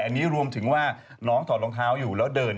อันนี้รวมถึงว่าน้องถอดรองเท้าอยู่แล้วเดิน